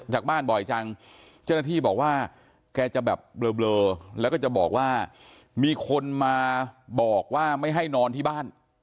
จากบ้านบ่อยจังเจ้าหน้าที่บอกว่าแกจะแบบเบลอแล้วก็จะบอกว่ามีคนมาบอกว่าไม่ให้นอนที่บ้าน